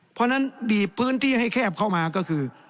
เพราะฉะนั้นดีดพื้นที่ให้แคบเข้ามาก็คือ